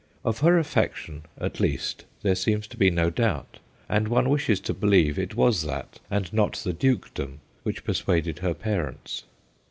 Of her affection, at least, there seems to be no doubt, and one wishes to believe it was that, and not the dukedom, which persuaded her parents.